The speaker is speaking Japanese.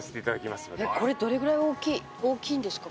これどれぐらい大きいんですか？